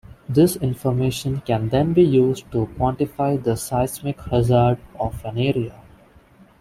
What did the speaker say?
This information can then be used to quantify the seismic hazard of an area.